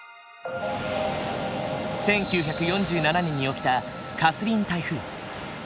１９４７年に起きたカスリーン台風。